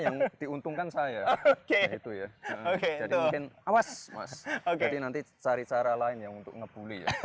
yang diuntungkan saya oke itu ya oke jadi mungkin awas oke nanti cari cara lain yang untuk ngebully